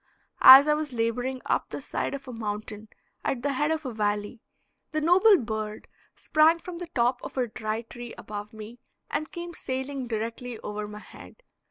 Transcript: As I was laboring up the side of a mountain at the head of a valley, the noble bird sprang from the top of a dry tree above me and came sailing directly over my head.